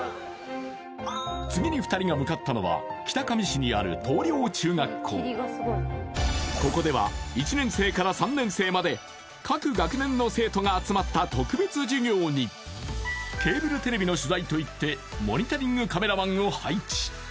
次に２人が向かったのはここでは１年生から３年生まで各学年の生徒が集まった特別授業にケーブルテレビの取材といってモニタリングカメラマンを配置